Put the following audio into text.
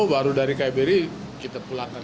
baru dari kbri kita pulangkan